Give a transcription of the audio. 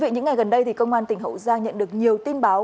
những ngày gần đây công an tỉnh hậu giang nhận được nhiều tin báo